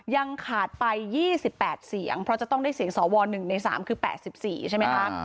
ยังขาดไป๒๘เสียงเพราะจะต้องได้เสียงสว๑ใน๓คือ๘๔ใช่ไหมคะ